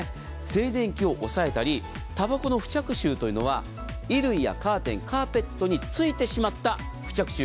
静電気を抑えたりタバコの付着臭は衣類やカーテン、カーペットについてしまった付着臭